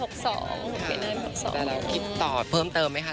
แต่เราคิดต่อเพิ่มเติมไหมคะ